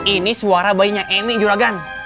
ini suara bayinya emi juragan